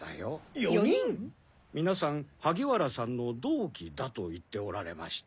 ４人⁉皆さん萩原さんの同期だと言っておられました。